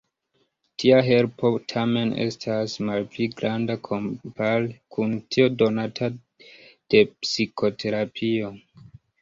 Tia helpo tamen estas malpli granda kompare kun tio donata de psikoterapio.